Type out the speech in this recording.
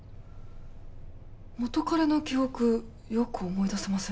元カレの記憶よく思い出せません。